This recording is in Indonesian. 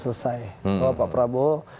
selesai bahwa pak prabowo